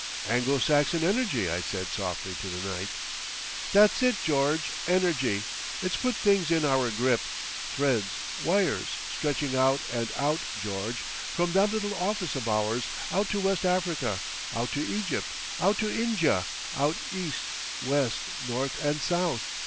"Anglo Saxon energy," I said softly to the night. "That's it, George—energy. It's put things in our grip—threads, wires, stretching out and out, George, from that little office of ours, out to West Africa, out to Egypt, out to Inja, out east, west, north and south.